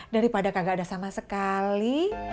daripada kagak ada sama sekali